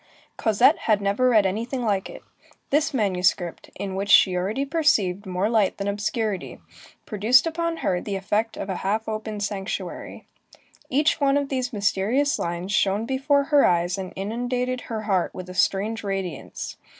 Cosette had never read anything like it. This manuscript, in which she already perceived more light than obscurity, produced upon her the effect of a half open sanctuary. Each one of these mysterious lines shone before her eyes and inundated her heart with a strange radiance.